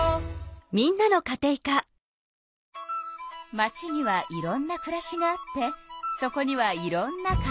街にはいろんなくらしがあってそこにはいろんなカテイカが。